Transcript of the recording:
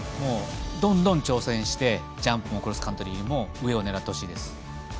どんどん挑戦してジャンプもクロスカントリーも上を狙ってほしいです。